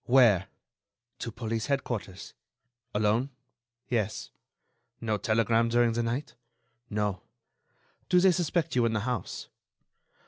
"Where?" "To police headquarters." "Alone?" "Yes." "No telegram during the night?" "No." "Do they suspect you in the house?"